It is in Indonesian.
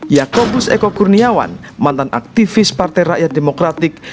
yakobus eko kurniawan mantan aktivis partai rakyat demokratik